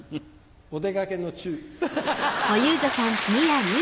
お出掛けのチュ。